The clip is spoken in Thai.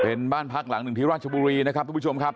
เป็นบ้านพักหลังหนึ่งที่ราชบุรีนะครับทุกผู้ชมครับ